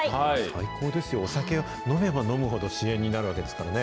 最高ですよ、お酒飲めば飲むほど支援になるわけですからね。